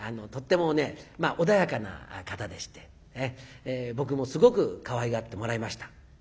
とっても穏やかな方でして僕もすごくかわいがってもらいました。